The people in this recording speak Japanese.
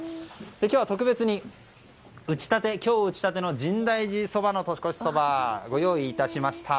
今日は特別に今日打ち立ての深大寺そばの年越しそばをご用意致しました。